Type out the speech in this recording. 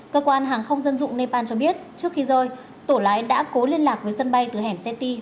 cơ quan hàng không dân dụng nepal cho biết trước khi rơi tổ lái đã cố liên lạc với sân bay từ hẻm city